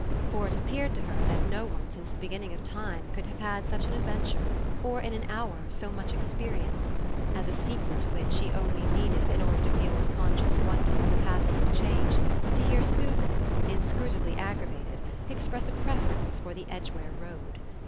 For it appeared to her that no one since the beginning of time could have had such an adventure or, in an hour, so much experience; as a sequel to which she only needed, in order to feel with conscious wonder how the past was changed, to hear Susan, inscrutably aggravated, express a preference for the Edgware Road.